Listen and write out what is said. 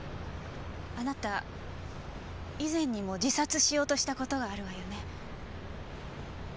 あなた以前にも自殺しようとしたことがあるわよね？